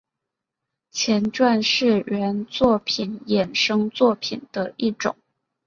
前传是原作品衍生作品的一种。